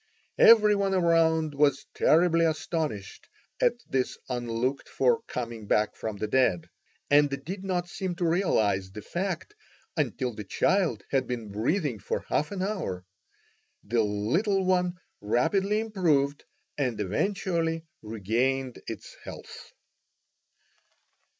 Every one around was terribly astonished at this unlooked for coming back from the dead, and did not seem to realize the fact until the child had been breathing for half an hour. The little one rapidly improved, and eventually regained its health.